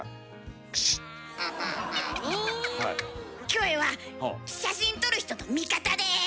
キョエは写真撮る人の味方です。